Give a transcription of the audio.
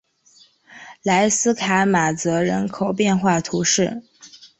莱斯卡马泽人口变化图示